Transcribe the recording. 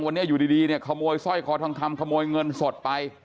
วันนี้อยู่ดีเนี่ยขโมยสร้อยคอทองคำขโมยเงินสดไป